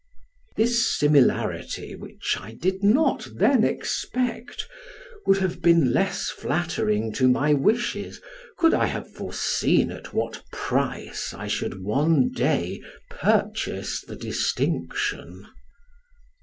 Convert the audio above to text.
This similarity which I did not then expect, would have been less flattering to my wishes could I have foreseen at what price I should one day purchase the distinction.